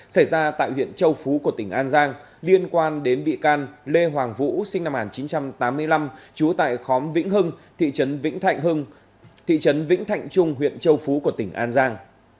xảy ra tại huyện châu phú của tp hcm liên quan đến bị can lê hoàng vũ sinh năm một nghìn chín trăm tám mươi năm chú tại khóm vĩnh hưng thị trấn vĩnh thạnh trung huyện châu phú của tp hcm